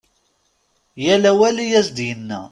Yal awal i as-d-yenna.